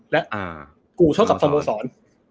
และกูเท่ากับสโมสร